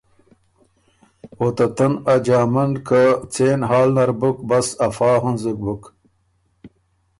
او ته تن ا جامه ن که څېن حال نر بُک بس افا هنزُک بُک،